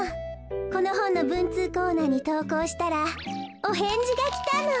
このほんのぶんつうコーナーにとうこうしたらおへんじがきたの。